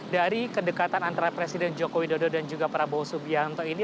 dari kedekatan antara presiden joko widodo dan juga prabowo subianto ini